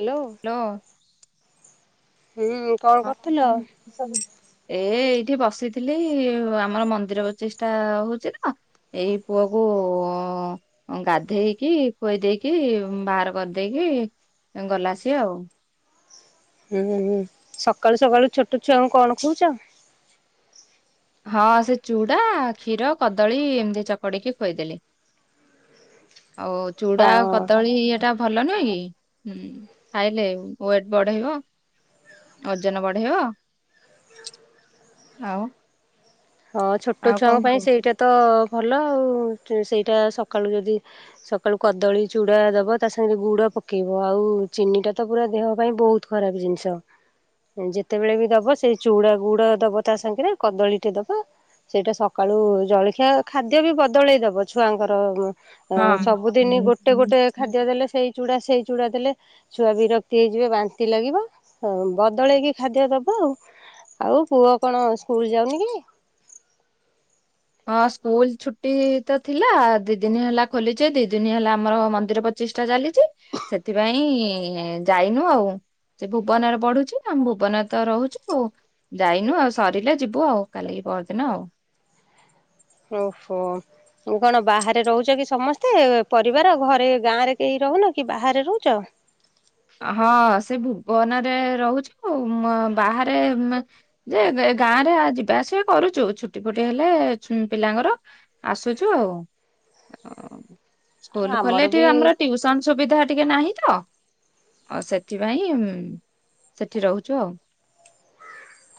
Hello hello ହୁଁ। କଣ କରୁଥିଲ? [unintelligible] ଏ ଏଇଠେ ବସିଥିଲି ଆମର ମନ୍ଦିର ପ୍ରଚିଷ୍ଟା ହଉଚି ତ। ଏଇ ପୁଅକୁ ଗାଧେଇକି ଖୁଆଇଦେଇକି ବାହାର କରିଦେଇକି ଗଲା ସିଏ ଆଉ। ହୁଁ ହୁଁ ସକାଳୁ ସକାଳୁ ଛୋଟ ଛୁଆଙ୍କୁ କଣ ଖୋଉଚ? ହଁ ସେ ଚୁଡା କ୍ଷୀର କଦଳୀ ଏମତି ଚକଡିକି ଖୋଇଦେଲି। ଓ ଚୁଡା ହଁ। ଆଉ କଦଳୀ ଇଏଟା ଭଲ ନୁହେଁ କି ଖାଇଲେ ୱେଟ ବଢେଇବ। ଓଜନ ବଢେଇବ। ହଁ ଛୋଟ ଆଉ ଛୁଆଙ୍କ କଣ ପାଇଁ କହୁ ସେଇଟା ତ ଭଲଆଉ ସେଇଟା ସକାଳୁ ଯଦି ସକାଳୁ କଦଳୀ ଚୁଡା ଦବ ତାସାଙ୍ଗେ ଗୁଡ ପକେଇବ ଆଉ ଚିନିଟା ତ ପୁରା ଦେହପାଇଁ ବହୁତ ଖରାପ୍ ଜିନିଷ। ଯେତେବେଳେ ବି ଦବ ସେ ଚୁଡା ଗୁଡ ଦବ ତା ସାଙ୍ଗେରେ କଦଳୀ ଟେ ଦବ ସେଇଟା ସକାଳୁ ଜଳଖିଆ ଖାଦ୍ୟ ବି ବଦଳେଇ ଦବ ଛୁଆଙ୍କର ଆଉ ସବୁଦିନି ଗୋଟେ ଗୋଟେ ହଁ। ଖାଦ୍ୟ ଦେଲେ ସେଇଚୁଡା ସେଇଚୁଡା ଦେଲେ ଛୁଆ ବିରକ୍ତି ହେଇଯିବେ ବାନ୍ତି ଲାଗିବ ହଁ ବଦଳେଇକି ଖାଦ୍ୟ ଦବଆଉ। ଆଉ ପୁଅ କଣ ସ୍କୁଲ ଯାଉନି କି? ହଁ ସ୍କୁଲ ଛୁଟି ତ ଥିଲା ଦି ଦିନ ହେଲା ଖୋଲିଛି ଦି ଦିନ ହେଲା ଆମର ମନ୍ଦିର ପ ଚେଷ୍ଟା ଚାଲିଛି ସେଥିପାଇଁ ଯାଇନୁ ଆଉ, ସେ ଭୁବନର ବଢୁଛି ଆମେ ଭୁବନରେ ତ ରହୁଛୁ, ଯାଇନୁ ଆଉ ସରିଲେ ଯିବୁ ଆଉ କାଲିି କି ପରଦିନ ଆଉ ଓହୋ କଣ ବାହାରେ ରହୁଛ କି ସମସ୍ତେ ପରିବାର ଘରେ ଗାଁରେ କେହି ରହୁନ କି ବାହାରେ ରହୁଛ, ହଁ ସେ ଭୁବନରେ ରହୁଛୁ ମ ବାହାରେ ଯେ ଗାଁ ରେ ଯିବା ଆସିବେ କରୁଛୁ ଛୁଟି ଫୁଟି ହେଲେ ପିଲାଙ୍କର। ଆସୁଛୁ ଆଉ ଆଉ ସ୍କୁଲ ଖୋଲି ଲେ ଏଠି ଆମର ଟିଉସନ ସୁବିଧା ଟିକେ ନାହିଁ ତ ଆଉ ସେଥିପାଇଁ ସେଠି ରହୁଛୁ ଆଉ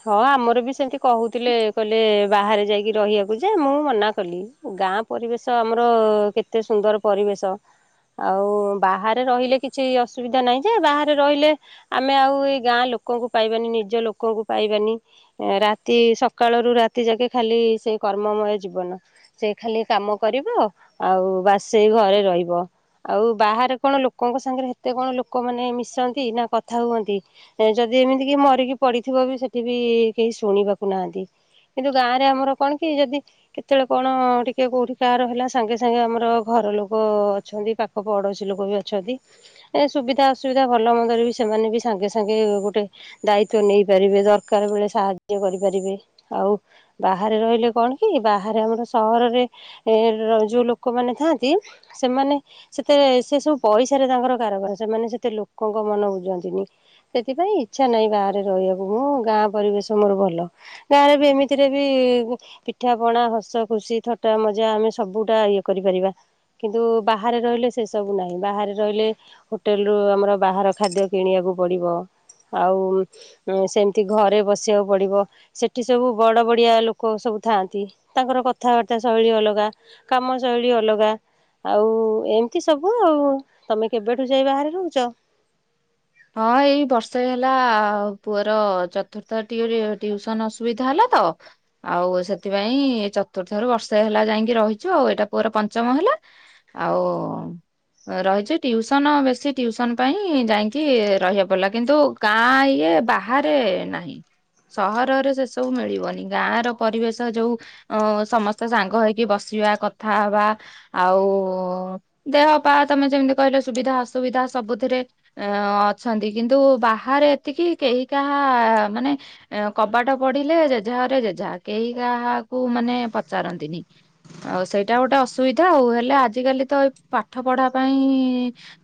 ହଁ ଆମର ବି ସେମିତି କହୁଥିଲେ କହିଲେ ବାହାରେ ଯାଇକି ରହିବାକୁ ଯିବୁ ଯେ ମୁଁ ମନା କଲି ଗାଁ ପରିବେଶ ଆମର କେତେ ସୁନ୍ଦର ପରିବେଶ, ଆଉ ବାହାରେ ରହିଲେ କିଛି ଅସୁବିଧା ନାହିଁ ଯେ ବାହାରେ ରହିଲେ ଆମେ ଆଉ ଏଇ ଗାଁ ଲୋକଙ୍କୁ ପାଇବାନି ନିଜ ଲୋକଙ୍କୁ ପାଇବାନି ରାତି ସକାଳ ରୁ ରାତି ଯାକେ ଖାଲି ସେଇ କର୍ମମୟ ଜୀବନ। ସେ ଖାଲି କାମ କରିବ ଆଉ ବାସେ ଘରେ ରହିବ ଆଉ ବାହାରେ କଣ ଲୋକଙ୍କ ସାଙ୍ଗରେ ଏତେ କଣ ଲୋକମାନେ ମିଶନ୍ତି ନା କଥା ହୁଅନ୍ତି। ଯଦି ଏମିତି କି ମରିକି ପଡିଥିବ ବି ସେଠି ବି କେହି ଶୁଣିବାକୁ ନାହାନ୍ତି। କିନ୍ତୁ ଗାଁ ରେ ଆମର କଣ କି ଯଦି କେତେବେଳେ କଣ ଟିକେ କୋଉଠି କାହାର ହେଲା ସାଙ୍ଗେ ସାଙ୍ଗେ ଆମର ଘର ଲୋକ ଅଛନ୍ତି ପାଖ, ପଡ଼ୋଶୀ ଲୋକ ବି ଅଛନ୍ତି, ଏ ସୁବିଧା ଅସୁବିଧା ଭଲ ମନ୍ଦରେ ବି ସେମାନେ ବି ସାଙ୍ଗେ ସାଙ୍ଗେ ଗୋଟେ ଦାୟିତ୍ୱ ନେଇ ପାରିବେ ଦରକାର ବେଳେ ସାହାଯ୍ୟ କରିପାରିବେ ଆଉ ବାହାରେ ରହିଲେ କଣ କି ବାହାରେ ଆମର ସହରରେ ଏ ର ଯୋଉ ଲୋକମାନେ ଥାନ୍ତି ସେମାନେ ସେତେ ସେ ସବୁ ପଇସାରେ ତାଙ୍କର କାରାବାର ସେମାନେ ସେତେ ଲୋକଙ୍କ ମନ ବୁଝନ୍ତିନି ସେଥିପାଇଁ ଇଚ୍ଛା ନାହିଁ ବାହାରେ ରହିବାକୁ ମୁଁ ଗାଁ ପରିବେଶ ମୋର ଭଲ ଗାଁରେ ବି ଏମିତିରେ ବି ପିଠା ପଣା ହସ ଖୁସି ଥଟା ମଜା ଆମେ ସବୁଟା ଇଏ କରିପାରିବା କିନ୍ତୁ ବାହାରେ ରହିଲେ ସେ ସବୁ ନାହିଁ ବାହାରେ ରହିଲେ ହୋଟେଲରୁ ଆମର ବାହାର ଖାଦ୍ୟ କିଣିବାକୁ ପଡ଼ିବ ଆଉ ସେମିତି ଘରେ ବସିବାକୁ ପଡିବ ସେଠି ସବୁ ବଡ ବଡିଆ ଲୋକ ସବୁ ଥାଆନ୍ତି ତାଙ୍କର କଥାବାର୍ତ୍ତା ଶୈଳୀ ଅଲଗା କାମ ଶୈଳୀ ଅଲଗା ଆଉ ଏମିତି ସବୁ ଆଉ ତମେ କେବେଠୁ ଯାଇ ବାହାରେ ରହୁଛ ହଁ ଏଇ ବର୍ଷେ ହେଲା ପୁଅର ଚତୁର୍ଥ ଟିଉସନ ଅସୁବିଧା ହେଲା ତ ଆଉ ସେଥିପାଇଁ ଚତୁର୍ଥ ରୁ ବର୍ଷ ହେଲା ଯାଇକି ରହିଛୁ ଆଉ ଏଇଟା ପୁଅର ପଞ୍ଚମ ହେଲା। ଆଉ ରହିଛି ଟିଉସନ ବେଶୀ ଟିଉସନ ପାଇଁ ଯାଇ କି ରହିବାକୁ ପଡିଲା କିନ୍ତୁ ଗାଁ ଇଏ ବାହାରେ ନାହିଁ, ସହରରେ ସେ ସବୁ ମିଳିବନି ଗାଁ ର ପରିବେଶ ଯୋଉ ଅ ସମସ୍ତେ ସାଙ୍ଗ ହେଇକି ବସିବା କଥା ହବା ଆଉ ଦେହ ପା ତମେ ଯେମିତି କହିଲ ସୁବିଧା ଅସୁବିଧା ସବୁଥିରେ ଅ ଅଛନ୍ତି କିନ୍ତୁ ବାହାରେ ଏତିକି କେହି କାହା ମାନେ କବାଟ ପଢିଲେ ଜେଝା ଘରେ ଜେଝା କେହି କାହାକୁ ମାନେ ପଚାରନ୍ତିନି। ଆଉ ସେଇଟା ଗୋଟେ ଅସୁବିଧା ଆଉ ହେଲେ ଆଜିିକାଲି ତ ଏ ପାଠ ପଢା ପାଇଁ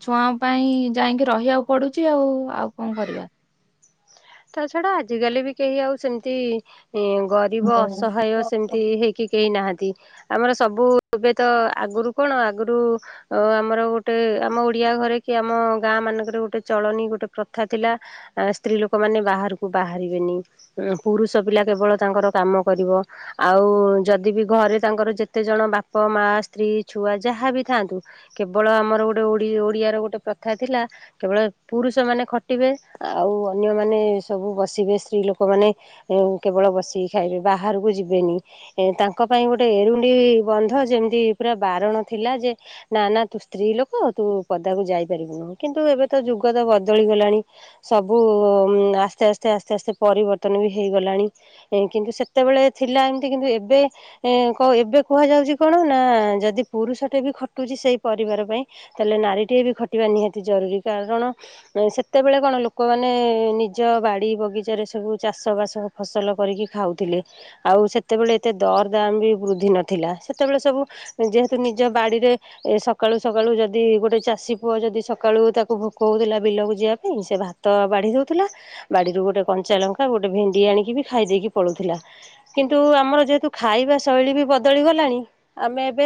ଛୁଆଙ୍କ ପାଇଁ ଯାଇକି ରହିବାକୁ ପଡୁଛି ଆଉ, ଆଉ କଣ କରିବା? ତା ଛଡା ଆଜିକାଲି ବି କେହି ଆଉ ସେମିତି ଗରିବ ଅସହାୟ ସେମିତି ହୁଁ। ହେଇ କି କେହି ନାହାନ୍ତି, ଆମର ସବୁ ଏବେ ତ ଆଗରୁ କଣ ଆଗରୁ ଅ ଆମର ଗୋଟେ ଆମ ଓଡିଆ ଘରେ କି ଆମ ଗାଁ ମାନଙ୍କରେ ଗୋଟେ ଚଳଣି ଗୋଟେ ପ୍ରଥା ଥିଲା। ଆ ସ୍ତ୍ରୀ ଲୋକମାନେ ବାହାରକୁ ବାହାରିବେନି। ପୁରୁଷ ପିଲା କେବଳ ତାଙ୍କର କାମ କରିବ। ଆଉ ଯଦି ବି ଘରେ ତାଙ୍କର ଯେତେ ଜଣ ବାପ, ମା, ସ୍ତ୍ରୀ, ଛୁଆ ଯାହା ବିି ଥାଆନ୍ତୁ। କେବଳ ଆମର ଗୋଟେ ଓଡ଼ି ଓଡିଆର ଗୋଟେ ପ୍ରଥା ଥିଲା। କେବଳ ପୁରୁଷ ମାନେ ଖଟିବେ ଆଉ ଅନ୍ୟମାନେ ସବୁ ବସିବେ ସ୍ତ୍ରୀ ଲୋକମାନେ। ଏଉ କେବଳ ବସିକି ଖାଇବେ ବାହାରକୁ ଯିବେନି। ଏ ତାଙ୍କ ପାଇଁ ଗୋଟେ ଏରୁଣ୍ଡି ବନ୍ଧ ଯେମିତି ପୁରା ବାରଣ ଥିଲା ଯେ ନା ନା ତୁ ସ୍ତ୍ରୀ ଲୋକ ତୁ ପଦାକୁ ଯାଇପାରିବୁନୁ କିନ୍ତୁ ଏବେ ତ ଯୁଗ ତ ବଦଳିଗଲାଣି। ସବୁ ଆସ୍ତେ ଆସ୍ତେ ଆସ୍ତେ ଆସ୍ତେ ପରିବର୍ତ୍ତନ ବି ହେଇଗଲାଣି। କିନ୍ତୁ ସେତେବେଳେ ଥିଲା ଏମତି କିନ୍ତୁ ଏବେ ଏ କ ଏବେ କୁହାଯାଉଛି କଣ ନା ଯଦି ପୁରୁଷ ଟେ ବି ଖଟୁଛି ସେଇ ପରିବାର ପାଇଁ ହେଲେ ନାରୀଟିଏ ବି ଖଟିବା ନିହାତି ଜରୁରୀ କାରଣ ସେତେବେଳେ କଣ ଲୋ ଲୋକମାନେ ନିଜ ବାଡ଼ି ବଗିଚାରେ ସବୁ ଚାଷବାସ ଫସଲ କରିକି ଖାଉଥିଲେ। ଆଉ ସେତେବେଳେ ଏତେ ଦର ଦାମ ବି ବୃଦ୍ଧି ନଥିଲା ସେତେବେଳେ ସବୁ ଯେହେତୁ ନିଜ ବାଡିରେ ଏ ସକାଳୁ ସକାଳୁ ଯଦି ଗୋଟେ ଚାଷୀ ପୁଅ ଯଦି ସକାଳୁ ତାକୁ ଭୋକ ହଉଥିଲା ବିଲକୁ ଯିବା ପାଇଁ ସେ ଭାତ ତ ବାଢି ଦଉଥିଲା, ବାଡିରୁ ଗୋଟେ କଞ୍ଚା ଲଙ୍କା ଗୋଟେ ଭେଣ୍ଡି ଆଣିକି ବି ଖାଇ ଦେଇକି ପଳଉଥିଲା। କିନ୍ତୁ ଆମର ଯେହେତୁ ଖାଇବା ଶୈଳୀ ବି ବଦଳି ଗଲାଣି ଆମେ ଏବେ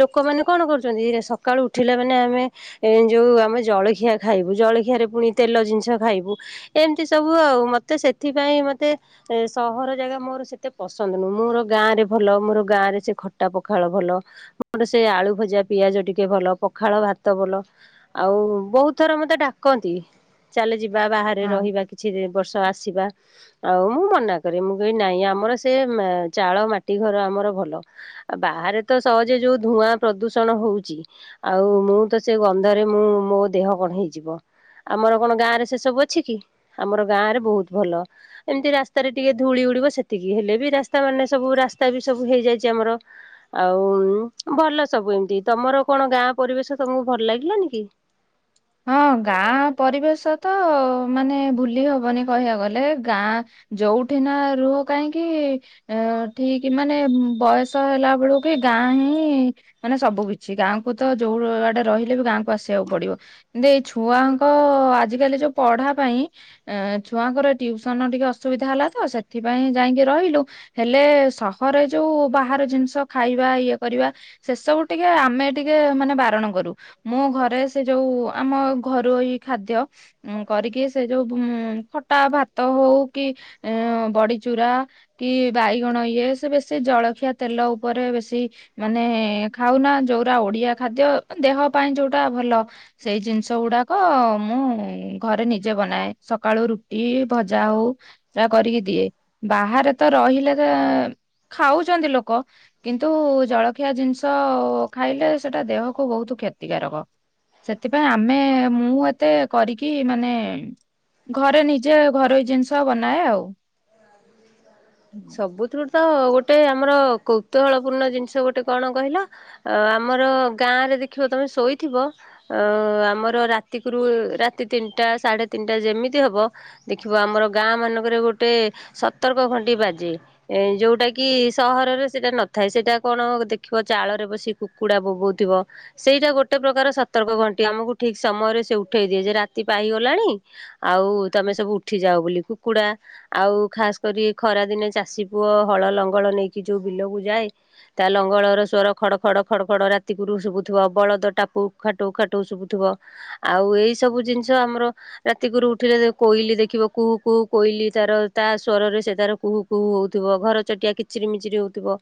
ଲୋକମାନେ କଣ କରୁଛନ୍ତି, ସକାଳୁ ଉଠିଲେ ମାନେ ଆମେ ଏ ଯୋଉ ଆମେ ଜଳିଖିଆ ଖାଇବୁ, ଜଳିଖିଆରେ ପୁଣି ତେଲ ଜିନିଷ ଖାଇବୁ। ଏମତି ସବୁ ଆଉ ମତେ ସେଥିପାଇଁ ମତେ ଏ ସହର ଜାଗା ମୋର ସେତେ ପସନ୍ଦ ନୁହଁ, ମୋର ଗାଁ ରେ ଭଲ ମୋର ଗାଁ ରେ ସେ ଖଟା ପଖାଳ ଭଲ। ମୋର ସେ ଆଳୁ ଭଜା ପିଆଜ ଟିକେ ଭଲ ପଖାଳ ଭାତ ଭଲ। ଆଉ ବହୁତଥର ମତେ ଡାକନ୍ତି ଚାଲେ ଯିବା ବାହାରେ ହଁ। ରହିବା କି କିଛି ବର୍ଷ ଆସିବା। ଆଉ ମୁଁ ମନା କରେ ମୁଁ କହେ ନାହିଁ ଆମର ସେ ଚାଳ ମାଟି ଘର ଆମର ଭଲ। ବାହାରେ ତ ସହଜେ ଯୋଉ ଧୂଆଁ ପ୍ରଦୂଷଣ ହଉଛି। ଆଉ ମୁଁ ତ ସେ ଗନ୍ଧରେ ମୁଁ ମୋ ଦେହ କଣ ହେଇଯିବ, ଆମର କଣ ଗାଁ ରେ ସେ ସବୁ ଅଛି କି? ଆମର ଗାଁ ରେ ବହୁତ ଭଲ। ଏମତି ରାସ୍ତାରେ ଟିକେ ଧୂଳି ଉଡିବ ସେତିକି, ହେଲେ ବି ରାସ୍ତା ମାନେ ସବୁ ରାସ୍ତା ବି ସବୁ ହେଇଯାଇଛି ଆମର। ଆଉ ଭଲ ସବୁ ଏମତି, ତମର କଣ ଗାଁ ପରିବେଶ ତମକୁ ଭଲ ଲାଗିଲାନି କି? ହଁ, ଗାଁ ପରିବେଶ ତ ମାନେ ଭୁଲି ହବନି କହିବାକୁ ଗଲେ ଗାଁ ଯଉଠି ନା ରୁହ କାହିଁକି ଅ ଠିକ ମାନେ ବୟସ ହେଲା ବେଳକୁ କି ଗାଁ ହିଁ ମାନେ ସବୁ କିଛି ଗାଁକୁ ତ ଯୋଉ ଆଡେ ରହିଲେ ବି ଗାଁକୁ ଆସିବାକୁ ପଡିବ। ଦେଇ ଛୁଆଙ୍କ ଆଜିକାଲି ଯୋଉ ପଢା ପାଇଁ ଏ ଛୁଆଙ୍କର ଟିଉସନ ଟିକେ ଅସୁବିଧା ହେଲା ତ ସେଥିପାଇଁ ଯାଇକି ରହିଲୁ। ହେଲେ ସହରେ ଯୋଉ ବାହାର ଜିନିଷ ଖାଇବା ଇଏ କରିବା ସେ ସବୁ ଟିକେ ଆମେ ଟିକେ ମାନେ ବାରଣ କରୁ ମୁଁ ଘରେ ସେ ଯୋଉ ଆମ ଘରୋଇ ଖାଦ୍ୟ ଉ କରିକି ସେ ଯୋଉ ଉ ଖଟା, ଭାତ ହଉ କି ଏ ବଡି ଚୁରା କି ବାଇଗଣ ଇଏ ସେ ବେଶୀ ଜଳଖିଆ ତେଲ ଉପରେ ବେଶୀ ମାନେ ଖାଉନା ଯୋଉରା ଓଡିଆ ଖାଦ୍ୟ ଦେହ ପାଇଁ ଯୋଉଟା ଭଲ। ସେଇ ଜିନିଷ ଗୁଡ଼ାକ ମୁଁ ଘରେ ନିଜେ ବନାଏ ସକାଳୁ ରୁଟି ଭଜା ହଉ। ଯା କରିକି ଦିଏ ବାହାରେ ତ ରହିଲେ ତ ଖାଉଛନ୍ତି ଲୋକ କିନ୍ତୁ ଜଳଖିଆ ଜିନିଷ ଖାଇଲେ ସେଟା ଦେହକୁୁ ବୋହୁତୁ କ୍ଷତିକାରକ। ସେଥିପାଇଁ ଆମେ ମୁଁ ଏତେ କରିକି ମାନେ ଘରେ ନିଜେ ଘରୋଇ ଜିନିଷ ବନାଏ ଆଉ। [unintelligible] ସବୁଥିରୁ ତ ଗୋଟେ ଆମର କୌତୁହଳପୂର୍ଣ୍ଣ ଜିନିଷ ଗୋଟେ କଣ କହିଲ? ଅ -ଆମର ଗାଁ ରେ ଦେଖିବ ତମେ ଶୋଇଥିବ। ଅ ଆମର ରାତିକୁରୁ ରାତି ତିନିଟା ସାଢେ ତିନିଟା ଯେମିତି ହବ ଦେଖିବ ଆମର ଗାଁ ମାନଙ୍କରେ ଗୋଟେ ସତର୍କ ଘନ୍ଟି ବାଜେ। ଏ ଯୋଉଟା କିି ସହରରେ ସେଇଟା ନଥାଏ ସେଇଟା କଣ ଦେଖିବ ଚାଳରେ ବସି କୁକୁଡ଼ା ବୋବୋଉଥିବ। ସେଇଟା ଗୋଟେ ପ୍ରକାର ସତର୍କ ଘଣ୍ଟି ଆମକୁ ଠିକ ସମୟରେ ସେ ଉଠେଇ ଦିଏ ଯେ ରାତି ପାଇଗଲାଣି। ଆଉ ତମେ ସବୁ ଉଠି ଯାଉ ବୋଲି କୁକୁଡା ଆଉ ଖାସ୍ କରି ଖରା ଦିନେ ଚାଷୀ ପୁଅ ହଳ ଲଙ୍ଗଳ ନେଇକି ଯଉ ବିଲକୁ ଯାଏ। ତା ଲଙ୍ଗଳର ସ୍ୱର ଖଡ ଖଡ ଖଡ ଖଡ ରାତିକୁୁରୁ ଶୁଭୁଥୁବ ବଳଦ ଟାପୁ ଖାଟୁ ଖାଟୁ ଶୁଭୁଥୁବ। ଆଉ ଏଇ ସବୁ ଜିନିଷ ଆମର ରାତି ଗରୁ ଉଠିଲେ କୋଇଲି ଦେଖିବ କୁହୁ କୁହୁ କୋଇଲି ତାର ତା ସ୍ଵରରେ ସେ ତାର କୁହୁ କୁ ହଉଥୁବ ଘର ଚଟିଆ କିଚିରି ମିଚିରି ହଉଥିବ।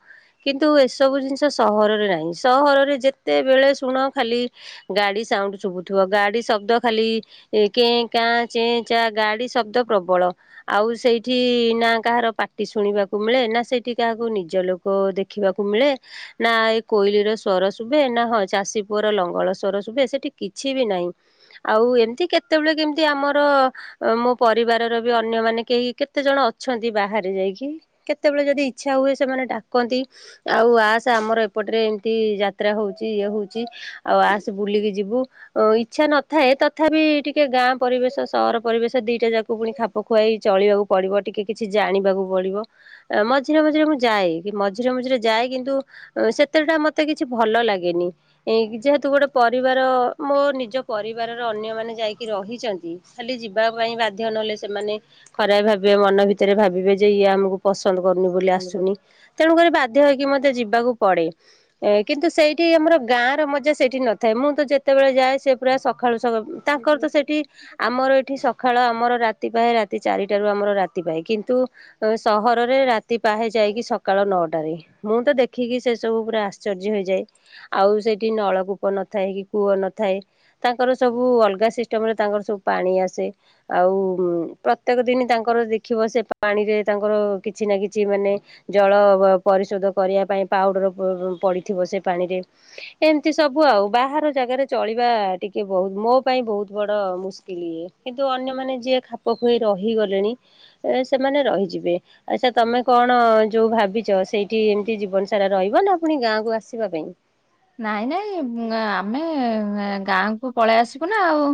କିନ୍ତୁ ଏସବୁ ଜିନିଷ ସହରରେ ନାହିଁ ସହରରେ ଯେତେବେଳେ ଶୁଣ ଖାଲି ଗାଡି ସାଉଣ୍ଡ୍ ଶୁଭୁଥିବ ଗାଡି ଶବ୍ଦ ଖାଲି ଏ କେଁ କାଁ ଚେଁ ଚାଁ ଗାଡି ଶବ୍ଦ ପ୍ରବଳ। ଆଉ ସେଇଠି ନା କାହାର ପା ଟି ଶୁଣିବାକୁ ମିଳେ ନା ସେଇଠି କାହାକୁ ନିଜ ଲୋକ ଦେଖିବାକୁ ମିଳେ। ନା ଏ କୋଇଲିର ସ୍ୱର ଶୁଭେ ନା ହଁ ଚାଷୀ ପୁଅର ଲଙ୍ଗଳ ସ୍ୱର ଶୁଭେ ସେଠି କିଛି ବି ନାହିଁ। ଆଉ ଏମିତି କେତେବେଳେ କେମିତି ଆମର। ମୋ ପରିବାରର ବି ଅନ୍ୟମାନେ କେହି କେତେ ଜଣ ଅଛନ୍ତି ବାହାରେ ଯାଇକି କେତେବେଳେ ଯଦି ଇଚ୍ଛା ହୁଏ ସେମାନେ ଡାକନ୍ତି। ଆଉ ଆସେ ଆମର ଏପଟରେ ଏମିତି ଯାତ୍ରା ହଉଛି ଇଏ ହଉଛି। ଆଉ ଆସେ ବୁଲିକି ଯିବୁ। ଅ ଇଚ୍ଛା ନଥାଏ ତଥାପି ଟିକେ ଗାଁ ପରିବେଶ, ସହର ପରିବେଶ ଦିଟା ଯାକ ପୁଣି ଖା ଖାପ ଖୁଆଇ ଚଳିବାକୁ ପଡିବ ଟିକେ କିଛି ଜାଣିବାକୁ ପଡିବ। ମଝିରେ ମଝିରେ ମୁଁ ଯାଏ କି ମଝିରେ ମଝିରେ ଯାଏ କିନ୍ତୁ ସେତେ ଟା ମତେ କିଛି ଭଲ ଲାଗେନି। ଏ ଯେହେତୁ ଗୋଟେ ପରିବାର ମୋ ନିଜ ପରିବାରର ଅନ୍ୟମାନେ ଯାଇକି ରହିଚନ୍ତି। ଖାଲି ଯିବା ପାଇଁ ବାଧ୍ୟ ନହଲେ ସେମାନେ ଖରାପ ଭାବିବେ ମନ ଭିତରେ ଭାବିବେ ଜେ ଇଏ ଆମକୁ ପସନ୍ଦ କରୁନି ବୋଲି ଭଲ ଆସୁନି ତେଣୁକରି ବାଧ୍ୟ ହେଇକି ମତେ ଯିବାକୁ ପଡ଼େ। ଏ କିନ୍ତୁ ସେଇଠି ଆମର ଗାଁ ର ମଜା ସେଇଠି ନଥାଏ ମୁଁ ତ ଯେତେବେଳେ ଯାଏ ସେ ପୁରା ସକାଳୁ ସକ ତାଙ୍କର କରୁଛନ୍ତି ତ ସେଠି ଆମର ଏଠି ସକାଳ ଆମର ରାତି ପାଏ ରାତି ଚାରିଟାରୁ ଆମର ରାତି ପାଏ କିନ୍ତୁ ଆ ସହରରେ ରାତି ପାହେ ଯାଇକି ସକାଳ ନଅଟାରେ। ମୁଁ ତ ଦେଖିକି ସେ ସବୁ ପୁରା ଆଶ୍ଚର୍ଯ୍ୟ ହେଇଯାଏ। ଆଉ ସେଇଠି ନଳକୂପ ନଥାଏ କି କୂଅ ନଥାଏ। ତାଙ୍କର ସବୁ ଅଲଗା ସିଷ୍ଟମ ରେ ତାଙ୍କର ସବୁ ପାଣି ଆସେ। ଆଉ ପ୍ରତ୍ୟେକ ଦିନ ତାଙ୍କର ଦେଖିବ ସେ ପାଣିରେ ତାଙ୍କର କିଛି ନା କିଛି ମାନେ ଜଳ ପରିଶୋଧ କରିବା ପାଇଁ ପାଉଡର ପଡିଥିବ ସେ ପାଣିରେ ଏମିତି ସବୁ ଆଉ ବାହାର ଜାଗାରେ ଚଳିବା ଟିକେ ବହୁତ ମୋ ପାଇଁ ବହୁତ ବଡ ମୁସ୍କିଲ ଇଏ କିନ୍ତୁ ଅନ୍ୟମାନେ ଯିଏ ଖାପ ଖୁଆଇ ରହିଗଲେଣି ଏ ସେମାନେ ରହିଯିବେ। ଆଚ୍ଛା ତମେ କଣ ଯୋଉ ଭାବିଛ ସେଇଠି ଏମିତି ଜୀବନ ସାରା ରହିବ ନା ପୁଣି ଗାଁକୁ ଆସିବା ପାଇଁ। ନାଇଁ ନାଇଁ ଆମେ ଗାଁକୁ ପଳେଇ ଆସିବୁ ନା ଆଉ।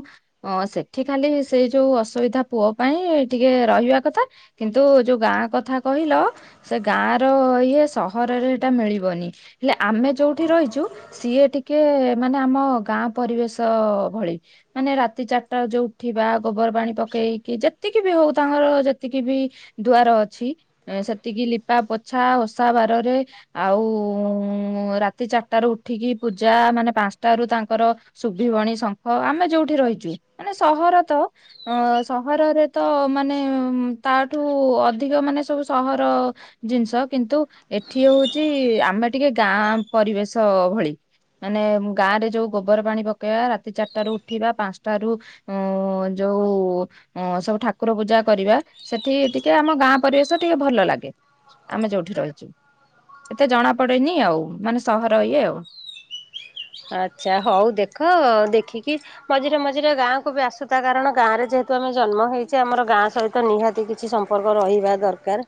ହ ସେଠି ଖାଲି ସେଇ ଯୋଉ ଅସୁବିଧା ପୁଅ ପାଇଁ ଟିକେ ରହିବା କଥା। କିନ୍ତୁ ଯୋଉ ଗାଁ କଥା କହିଲ ସେ ଗାଁ ର ଇଏ ସହରରେ ଏଇଟା ମିଳିବନି ହେଲେ ଆମେ ଯୋଉଠି ରହିଛୁ ସିଏ ଟିକେ ମାନେ ଆମ ଗାଁ ପରିବେଶ ଭଳି। ମାନେ ରାତି ଚାରିଟା ବ ଯୋଉ ଉଠିବା ଗୋବର ପାଣି ପକେଇକି ଯେତିକି ବି ହଉ ତାଙ୍କର ଯେତିକି ବି ଦୁଆର ଅଛି। ସେତିକି ଲିପା ପୋଛା ଓଷା ବାରରେ ଆଉ ରାତି ଚା ତାର ଉଠିକି ପୂଜା ମାନେ ପାଞ୍ଚଟ ରୁ ତାଙ୍କର ଶୁଭିବଣୀ ଶଙ୍ଖ ଆମେ ଯୋଉଠି ରହିଛୁ। ମାନେ ସହର ତ। ଅ ସହରରେ ତ ମାନେ ତାଠୁ ଅଧିକ ମାନେ ସବୁ ସହର ଜିନିଷ କିନ୍ତୁ ଏଠି ହଉଛି ଆମେ ଟିକେ ଗାଁ ପରିବେଶ ଭଳି। ମାନେ ଗାଁ ରେ ଯୋଉ ଗୋବର ପାଣି ପକେଇବା ରାତି ଚାରିଟାରୁ ର ଉଠିବା ପାଞ୍ଚଟ ରୁ ଅ ଯୋଉ ଅ ସବୁ ଠାକୁର ପୂଜା କରିବା ସେଠି ଟିକେ ଆମ ଗାଁ ପରିବେଶ ଟିକେ ଭଲ ଲାଗେ। ଆମେ ଯୋଉଠି ରହିଛୁ ଏତେ ଜଣା ପଡେନି ଆଉ ମାନେ ସହର ଇଏ ଆଉ। ଆଚ୍ଛା ହଉ ଦେଖ ଦେଖିକି ମଝିରେ ମଝିରେ ଗାଁକୁ ବି ଆସୁଥା କାରଣ ଗାଁରେ ଯେହେତୁ ଆମେ ଜନ୍ମ ହେଇଛି ଆମର ଗାଁ ସହିତ ତ ନିହାତି କିଛି ସମ୍ପର୍କ ରହିବା ଦରକାର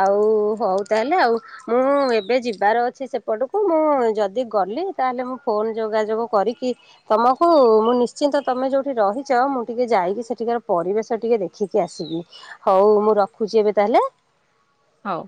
ଆଉ ହଉ ତାହେଲେ ଆଉ। ମୁଁ ଏବେ ଯିବାର ଅଛି ସେପଟକୁ ମୁଁ ଯଦି ଗଲି ତାହେଲେ ମୁଁ ଫୋନ ଯୋଗାଯୋଗ କରିକି ତମକୁ ମୁଁ ନିଶ୍ଚିନ୍ତ ତମେ ଯୋଉଠି ରହିଛ ମୁଁ ଟିକେ ଯାଇକି ସେଠିକାର ପରିବେଶ ଟିକେ ଦେଖି କି ଆସିବି ହଉ ମୁଁ ରଖୁଛି ଏବେ ତାହାଲେ। ହଉ।